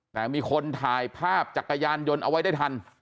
แต่มีคนถ่ายภาพจักรยานยนต์เอาไว้ได้ทัน